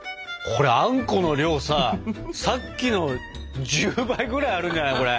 これあんこの量ささっきの１０倍ぐらいあるんじゃないこれ。